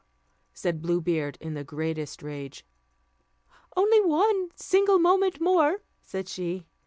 said Blue Beard, in the greatest rage. "Only one single moment more," said she.